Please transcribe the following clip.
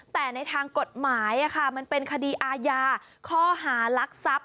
แต่ในทางกฎหมายมันเป็นคดีอาญาข้อหารักทรัพย์